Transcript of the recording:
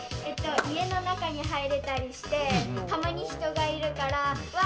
家の中に入れたりしてたまに人がいるからわー